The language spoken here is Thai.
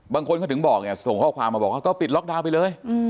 บางคนเขาถึงบอกเนี่ยส่งข้อความมาบอกว่าก็ปิดล็อกดาวน์ไปเลย